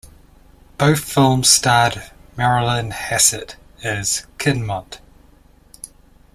Both films starred Marilyn Hassett as Kinmont.